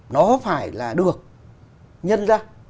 nó phải là được nhân ra